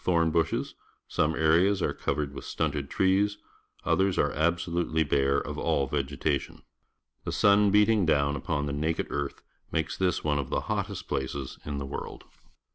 (ini(' places II' and I'idges. tlioiii liuslics"; stunted lives; others are absolutely bare of all vegetation. The sun beating down upon the naked earth makes this one of the hottest places in the world.